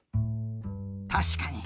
たしかに！